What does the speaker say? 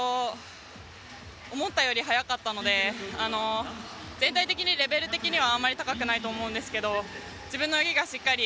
思ったより速かったので全体的にレベル的にはあまり高くないと思うんですが自分の泳ぎがしっかり